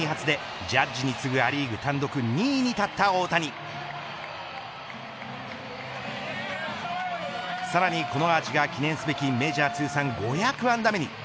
今シーズン６度目となる１試合２発で、ジャッジに次ぐア・リーグ単独２位に立った大谷さらにこのアーチが記念すべきメジャー通算５００安打目に。